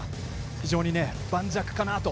非常に盤石かなと。